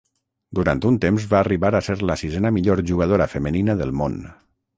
Durant un temps va arribar a ser la sisena millor jugadora femenina del món.